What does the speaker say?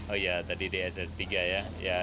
oh iya tadi di ss ketiga ya